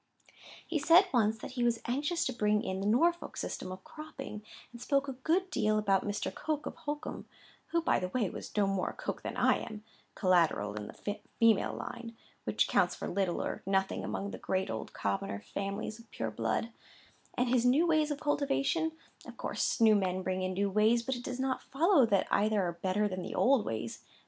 "He said once that he was anxious to bring in the Norfolk system of cropping, and spoke a good deal about Mr. Coke of Holkham (who, by the way, was no more a Coke than I am—collateral in the female line—which counts for little or nothing among the great old commoners' families of pure blood), and his new ways of cultivation; of course new men bring in new ways, but it does not follow that either are better than the old ways.